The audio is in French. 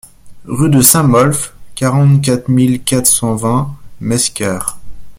Rue de Saint-Molf, quarante-quatre mille quatre cent vingt Mesquer